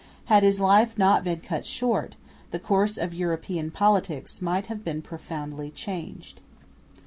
Had his life not been cut short, the course of European politics might have been profoundly changed.